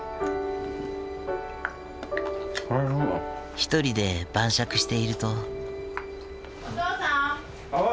一人で晩酌していると。